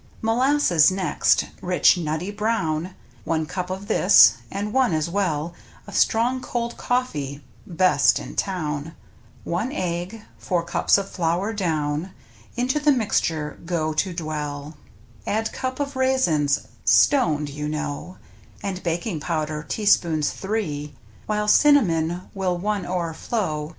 Molasses next — rich, nutty, brown — One cup of this, and one as well Of strong, cold coffee — best in town — One egg, four cups of flour down. Into the mixture go to dwell. Add cup of raisins — stoned, you know — And baking powder, teaspoons three. While cinnamon will one o'erflow.